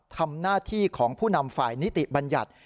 ทำหน้าที่ของผู้นำฝ่ายนิติบัญญัติ